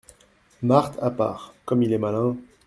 Marthe à part. — Comme il est malin !